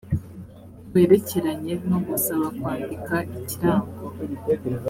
werekeranye no gusaba kwandika ikirango